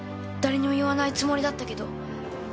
誰にも言わないつもりだったけど。